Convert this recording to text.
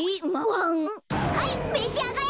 はいめしあがれ！